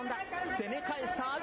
攻め返した阿炎。